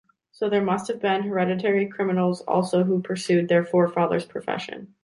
So there must have been hereditary criminals also who pursued their forefathers' profession.